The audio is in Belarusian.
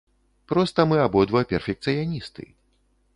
Проста мы абодва перфекцыяністы.